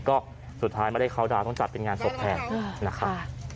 ก็สุดท้ายไม่ได้เข้าดาวต้องจัดเป็นงานศพแทนนะครับ